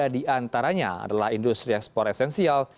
di antaranya adalah industri ekspor esensial